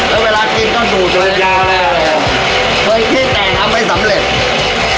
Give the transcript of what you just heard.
แล้วเวลากินก็สูดเลยเคยคิดแต่ทำไมสำเร็จ